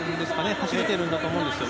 走れてるんだと思うんですよ。